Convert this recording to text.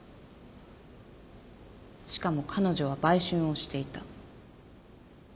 しかも彼女は売春をしていた。